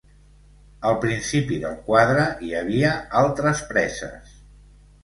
Al principi del quadre hi havia altres preses.